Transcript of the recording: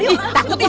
ih takut nih